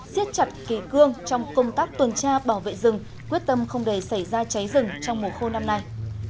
xiết chặt kỳ cương trong công tác tuần tra bảo vệ rừng quyết tâm không để xảy ra cháy rừng trong mùa khô năm nay